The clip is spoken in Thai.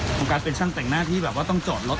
ของการเป็นช่างแต่งหน้าที่แบบว่าต้องจอดรถ